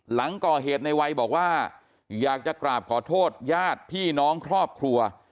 หลังก่อเหตุในวัยบอกว่าอยากจะกราบขอโทษญาติพี่น้องครอบครัว